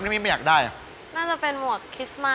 หมวกปีกดีกว่าหมวกปีกดีกว่า